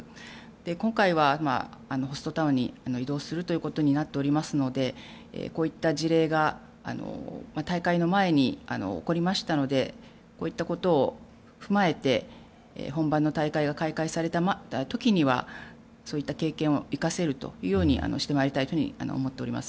今回はホストタウンに移動することになっておりますのでこういった事例が大会の前に起こりましたのでこういったことを踏まえて本番の大会が開会された時にはそういった経験を生かせるようにしてまいりたいと思っております。